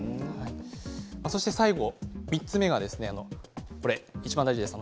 そして、最後３つ目はいちばん大事です。